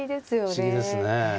不思議ですね。